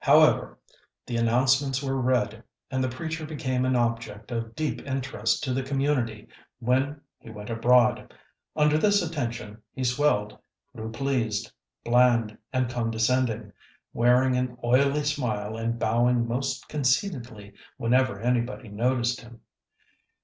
However, the announcements were read, and the preacher became an object of deep interest to the community when he went abroad. Under this attention he swelled, grew pleased, bland, and condescending, wearing an oily smile and bowing most conceitedly whenever anybody noticed him.